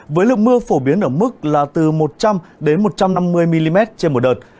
với lượng mưa phổ biến ở mức là từ một trăm linh đến một trăm năm mươi mm trên một đợt